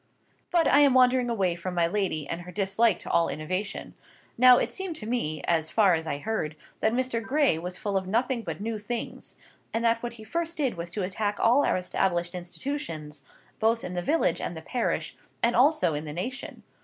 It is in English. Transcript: But I am wandering away from my lady, and her dislike to all innovation. Now, it seemed to me, as far as I heard, that Mr. Gray was full of nothing but new things, and that what he first did was to attack all our established institutions, both in the village and the parish, and also in the nation.